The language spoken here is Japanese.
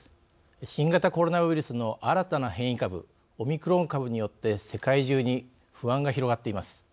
新型コロナウイルスの新たな変異株オミクロン株によって世界中に不安が広がっています。